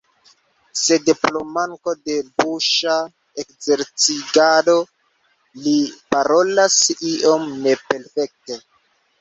Sed, pro manko de buŝa ekzerciĝado, li parolas iom neperfekte.